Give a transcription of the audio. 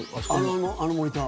あのモニター。